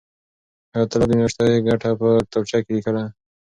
حیات الله د میاشتې ګټه په کتابچه کې لیکله.